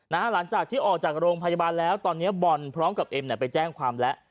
หลังจากที่ออกจากโรงพยาบาลแล้วตอนนี้บอลพร้อมกับเอ็มเนี่ยไปแจ้งความแล้ว